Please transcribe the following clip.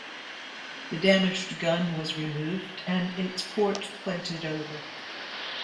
The damaged gun was removed and its port plated over.